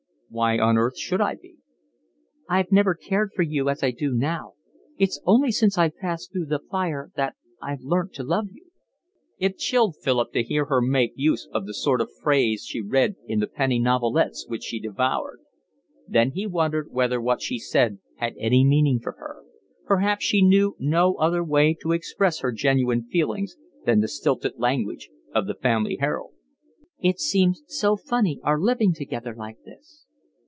"Why on earth should I be?" "I've never cared for you as I do now. It's only since I passed through the fire that I've learnt to love you." It chilled Philip to hear her make use of the sort of phrase she read in the penny novelettes which she devoured. Then he wondered whether what she said had any meaning for her: perhaps she knew no other way to express her genuine feelings than the stilted language of The Family Herald. "It seems so funny our living together like this."